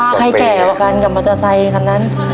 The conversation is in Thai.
กับตาใครแก่วะกันกับมอเตอร์ไซค์คันนั้น